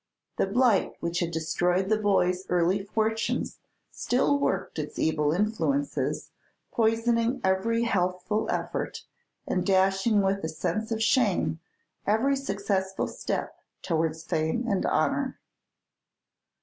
The blight which had destroyed the boy's early fortunes still worked its evil influences, poisoning every healthful effort, and dashing with a sense of shame every successful step towards fame and honor.